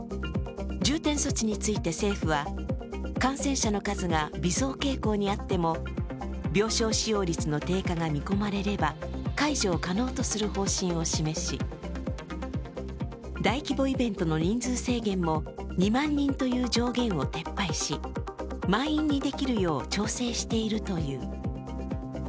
重点措置について政府は、感染者の数が微増傾向にあっても病床使用率の低下が見込まれれば解除を可能とする方針を示し大規模イベントの人数制限も２万人という上限を撤廃し、満員にできるよう調整しているという。